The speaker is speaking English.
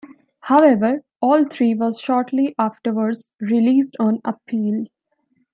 However, all three were shortly afterwards released on appeal.